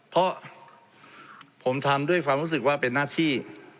เพราะผมทำด้วยความรู้สึกว่าเป็นหน้าที่